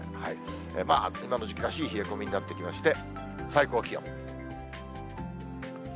まあ今の時期らしい冷え込みになってきまして、最高気温。